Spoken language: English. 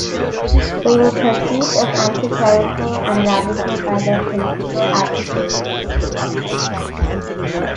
They were perceived as anti-clerical and radical by their political adversaries.